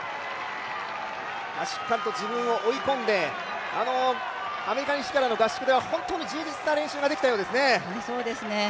しっかりと自分を追い込んでアメリカの合宿では本当に充実した練習ができたそうですね。